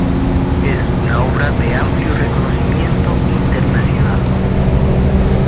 Es una obra de amplio reconocimiento internacional.